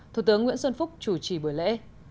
thủ tướng nguyễn xuân phúc chủ trì buổi lễ